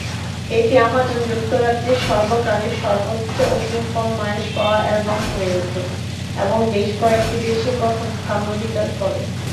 এটি অ্যামাজন যুক্তরাজ্যের সর্বকালের সর্বোচ্চ অগ্রিম-ফরমায়েশ পাওয়া অ্যালবাম হয়ে ওঠে এবং বেশকয়েকটি দেশে প্রথম স্থান অধিকার করে।